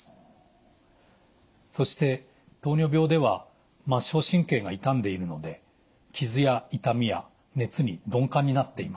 そして糖尿病では末梢神経が傷んでいるので傷や痛みや熱に鈍感になっています。